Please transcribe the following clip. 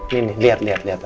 nih nih liat liat liat